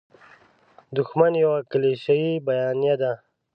دوښمن یوه کلیشیي بیانیه ده.